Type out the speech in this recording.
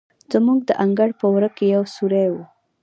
زموږ د انګړ په وره کې یو سورى و.